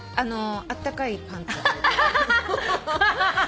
あったかいパンツはいて。